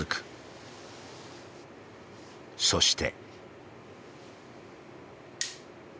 そして。